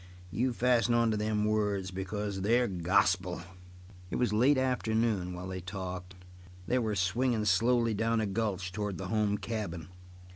You fasten on to them words, because they're gospel." It was late afternoon while they talked, and they were swinging slowly down a gulch towards the home cabin.